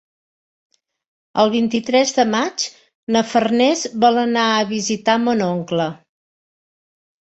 El vint-i-tres de maig na Farners vol anar a visitar mon oncle.